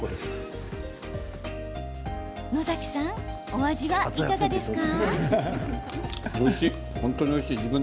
野崎さん、お味はいかがですか？